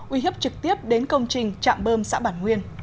uy hiếp trực tiếp đến công trình chạm bơm xã bản nguyên